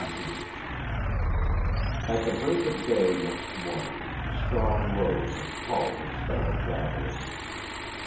XVII AT the break of day next morning, Strong rose and called his fellow travellers.